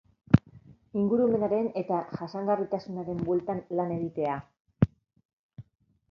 Ingurumenaren eta jasangarritasunaren bueltan lan egitea.